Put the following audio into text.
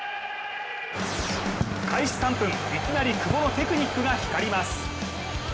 開始３分、いきなり久保のテクニックが光ります。